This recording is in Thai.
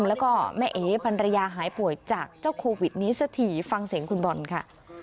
แล้วก็แม่เอ๋พันรยาหายป่วยจากเจ้าโควิดนี้สักทีฟังเสียงคุณบอลค่ะ